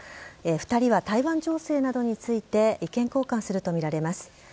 ２人は台湾情勢などについて意見交換するとみられます。